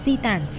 đó là mã văn